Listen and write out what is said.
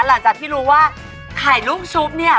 หลังจากที่รู้ว่าไข่ลูกชุบเนี่ย